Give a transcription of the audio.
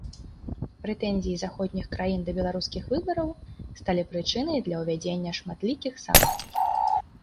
Прэтэнзіі заходніх краін да беларускіх выбараў сталі прычынай для ўвядзення шматлікіх санкцый.